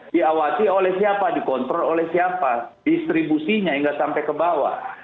diawasi oleh siapa dikontrol oleh siapa distribusinya hingga sampai ke bawah